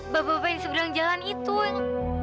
bapak bapak yang seberang jalan itu yang